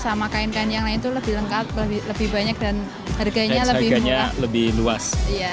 sama kain kain yang lain itu lebih lengkap lebih banyak dan harganya lebih luas